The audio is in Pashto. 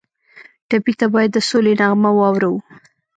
ټپي ته باید د سولې نغمه واورو.